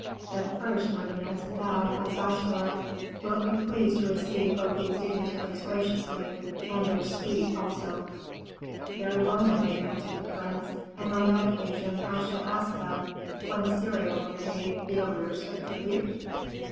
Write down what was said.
But first, worthiness, thou, as viceroy, wilt be pleased to receive both these dignitaries graciously, and their suite also." "Very willingly," answered the prince, "and on that occasion I shall ask them when Assyria will pay the arrears of tribute?"